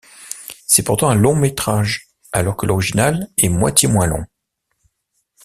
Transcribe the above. C'est pourtant un long-métrage alors que l'original est moitié moins long.